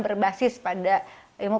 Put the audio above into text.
berbasis pada ilmu